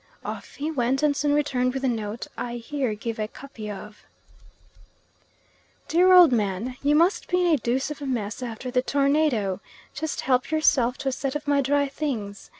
Off he went, and soon returned with the note I here give a copy of: "DEAR OLD MAN, "You must be in a deuce of a mess after the tornado. Just help yourself to a set of my dry things.